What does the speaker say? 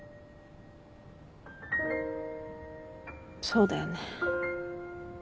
そうだよね。